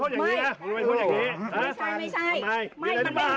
ไม่คือไม่มีเหตุผล